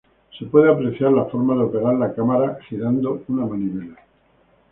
Se puede apreciar la forma de operar la cámara girando una manivela.